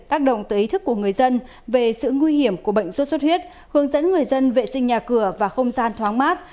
tác động tới ý thức của người dân về sự nguy hiểm của bệnh xuất xuất huyết hướng dẫn người dân vệ sinh nhà cửa và không gian thoáng mát